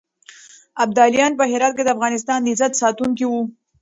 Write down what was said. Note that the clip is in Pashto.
ابدالیان په هرات کې د افغانستان د عزت ساتونکي وو.